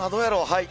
はい。